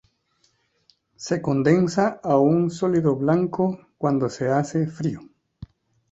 Se condensa a un sólido blanco cuando se hace frío.